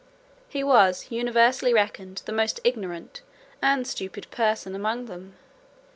He was universally reckoned the most ignorant and stupid person among them.